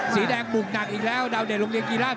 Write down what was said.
สีแดงบุกหนักอีกแล้วดาวเดชโรงเรียนกีฬา